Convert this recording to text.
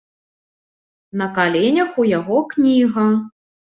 На каленях у яго кніга.